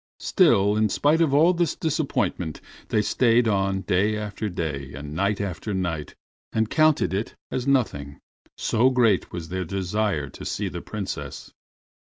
Still, in spite of all this disappointment they stayed on day after day, and night after night, and counted it as nothing, so great was their desire to see the Princess.